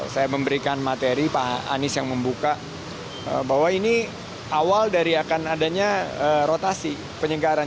saya memberikan materi pak anies yang membuka bahwa ini awal dari akan adanya rotasi penyegaran